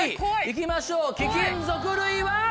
行きましょう貴金属類は？